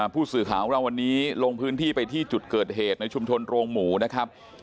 ผู้สื่อข่าวของเราวันนี้ลงพื้นที่ไปที่จุดเกิดเหตุในชุมชนโรงหมูนะครับ